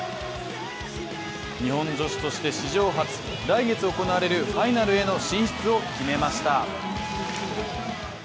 日本女子として史上初、来月行われるファイナルへの進出を決めました。